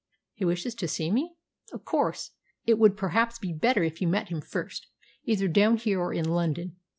"He wishes to see me?" "Of course. It would perhaps be better if you met him first, either down here or in London.